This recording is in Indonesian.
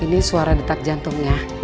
ini suara detak jantungnya